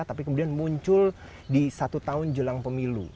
tapi kemudian muncul di satu tahun jelang pemilu